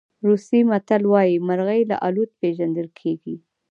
روسي متل وایي مرغۍ له الوت پېژندل کېږي.